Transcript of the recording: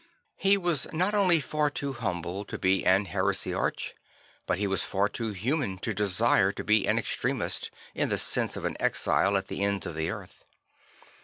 He was not only far too humble to be an heresiarch, but he was far too human to desire to be an extremist, in the sense of an exile a t the ends of the earth.